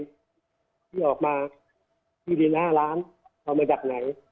ที่ออกมาที่ดิน๕ล้านเอามาจากไหน